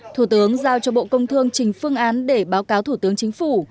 thủ tướng giao cho bộ công thương trình phương án để báo cáo thủ tướng chính phủ